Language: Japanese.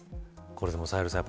サヘルさん